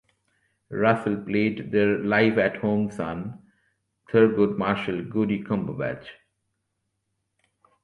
Russell played their live-at-home son, Thurgood Marshall "Goodie" Cumberbatch.